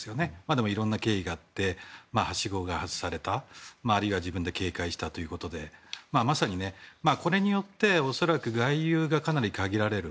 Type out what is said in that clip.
でも、いろいろな経緯があってはしごが外されたあるいは自分で警戒したということでまさに、これによって恐らく外遊がかなり限られる。